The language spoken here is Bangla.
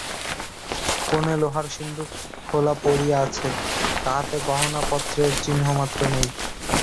কোণে লোহার সিন্দুক খোলা পড়িয়া আছে, তাহাতে গহনাপত্রের চিহ্নমাত্র নাই।